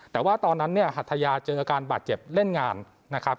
แต่ว่าตอนนั้นเนี่ยหัทยาเจออาการบาดเจ็บเล่นงานนะครับ